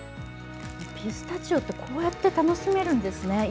ピスタチオって、こうやって楽しめるんですね。